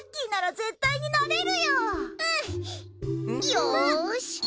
よし。